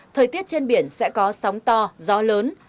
thời tiết trên biển sẽ có sóng to gió lớn